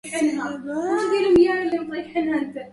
قولا لقرة عيني